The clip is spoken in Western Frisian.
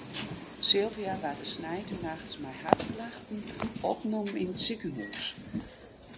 Sylvia waard de sneintenachts mei hartklachten opnommen yn it sikehûs.